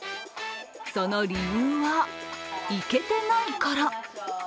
その理由は、イケてないから。